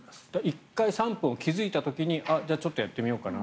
１回３分を気付いた時にちょっとやってみようかな